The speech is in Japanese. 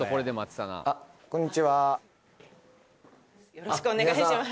よろしくお願いします